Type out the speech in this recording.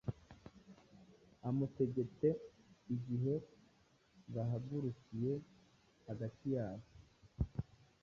Amutegete igihe bahagurukiye hagati yabo